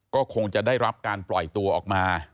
ก็คงจะได้รับการปล่อยตัวออกมา